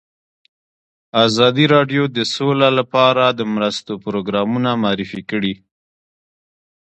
ازادي راډیو د سوله لپاره د مرستو پروګرامونه معرفي کړي.